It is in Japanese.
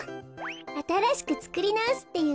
あたらしくつくりなおすっていうことよ。